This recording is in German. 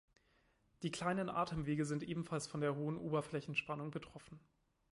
Die kleinen Atemwege sind ebenfalls von der hohen Oberflächenspannung betroffen.